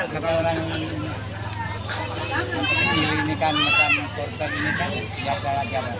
banyak orang yang kecil ini kan macam korban ini kan biasa lah